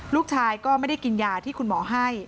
ลูกชายก็ไม่ได้กินยาที่คุณหมอให้